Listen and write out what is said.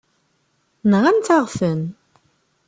Nɣant-aɣ-ten.